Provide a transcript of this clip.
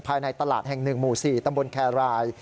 ภายในตลาดแห่ง๑หมู่๔ตำบลแครราย